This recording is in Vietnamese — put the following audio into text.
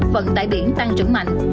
bốn vận tải biển tăng trưởng mạnh